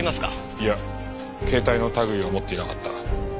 いや携帯の類いは持っていなかった。